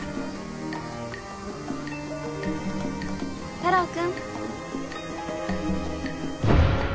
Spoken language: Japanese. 太郎君。